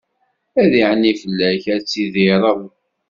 Ad iɛenni fell-ak, ad tidireḍ.